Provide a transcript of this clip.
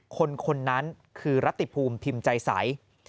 คนคนนั้นคือรัติภูมิพิมพ์ใจใส